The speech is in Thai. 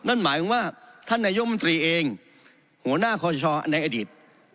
นั่นหมายถึงว่าท่านนายมนตรีเองหัวหน้าคอชในอดีต